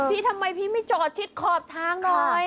พี่ทำไมพี่ไม่จอดชิดขอบทางหน่อย